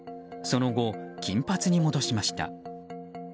その後、金髪に戻しました。